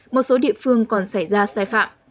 một số địa phương còn xảy ra sai phạm